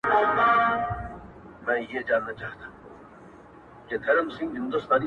چرگه مي ناجوړه کې، پلمه مي ورته جوره کې.